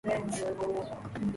It needs careful nurturing.